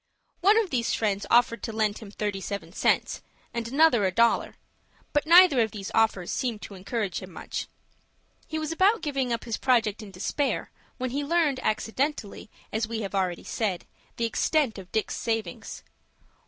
One of these friends offered to lend him thirty seven cents, and another a dollar; but neither of these offers seemed to encourage him much. He was about giving up his project in despair, when he learned, accidentally, as we have already said, the extent of Dick's savings.